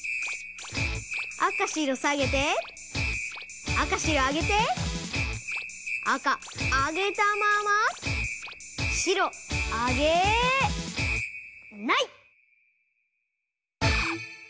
赤白さげて赤白あげて赤あげたまま白あげない！